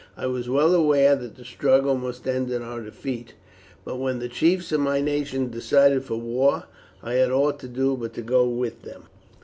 I was well aware that the struggle must end in our defeat; but when the chiefs of my nation decided for war, I had nought to do but to go with them."